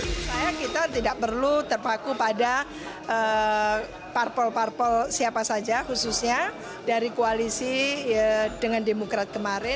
sebenarnya kita tidak perlu terpaku pada parpol parpol siapa saja khususnya dari koalisi dengan demokrat kemarin